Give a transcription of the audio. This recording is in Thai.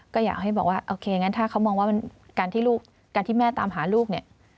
ก็อยากให้บอกว่าโอเคถ้าเขามองว่าการที่แม่ตามหาลูกเนี่ย